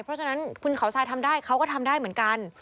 เพราะฉะนั้นคุณเขาทรายทำได้เขาก็ทำได้เหมือนกัน